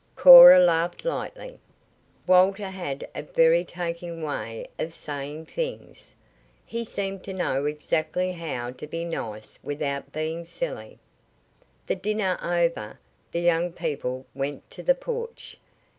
Cora laughed lightly. Walter had a very taking way of saying things. He seemed to know exactly how to be nice without being silly. The dinner over, the young people went to the porch.